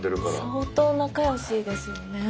相当仲良しですよね。